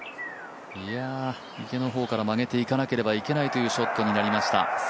池の方から曲げていかないといけないショットになりました。